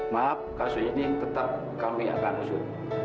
maaf kasus ini tetap kami akan usut